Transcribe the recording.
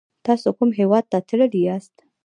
تاسو کوم هیواد ته تللی یاست؟